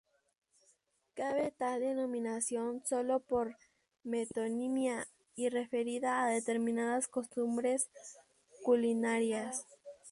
Cabe tal denominación sólo por metonimia y referida a determinadas costumbres culinarias.